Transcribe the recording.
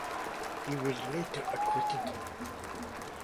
He was later acquitted.